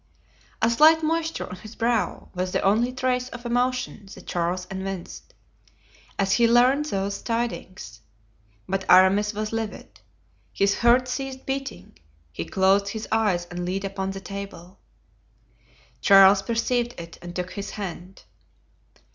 A slight moisture on his brow was the only trace of emotion that Charles evinced, as he learned these tidings. But Aramis was livid. His heart ceased beating, he closed his eyes and leaned upon the table. Charles perceived it and took his hand.